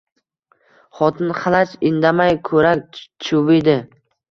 Xotin-xalaj indamay ko‘rak chuviydi.